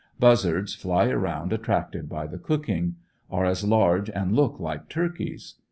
Buzzards fly around attracted by the cooking. Are as large and look like turkeys.